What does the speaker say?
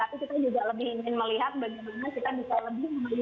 bahwa judicial review itu menjadi salah satu kemungkinan